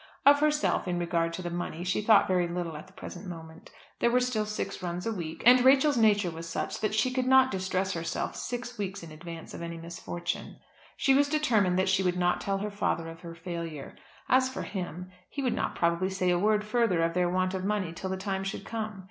Of herself, in regard to the money, she thought very little at the present moment. There were still six weeks to run, and Rachel's nature was such that she could not distress herself six weeks in advance of any misfortune. She was determined that she would not tell her father of her failure. As for him, he would not probably say a word further of their want of money till the time should come.